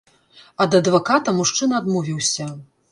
Ад адваката мужчына адмовіўся.